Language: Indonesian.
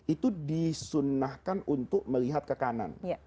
itu disunnahkan untuk melihat ke kanan